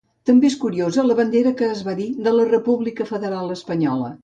També és curiosa la bandera que es va dir de la república federal espanyola.